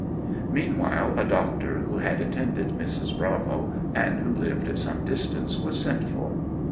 Meanwhile a doctor, who had attended Mrs. Bravo, and who lived at some distance, was sent for.